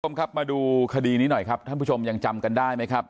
คุณผู้ชมครับมาดูคดีนี้หน่อยครับท่านผู้ชมยังจำกันได้ไหมครับ